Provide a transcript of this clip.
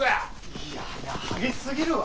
いやいや激しすぎるわ！